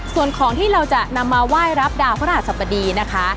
ส่วนของที่เราจะนำมาไหว้รับดาวพระราชสัปดีนะคะ